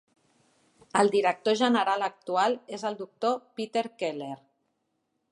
El director general actual és el Doctor Peter Keller.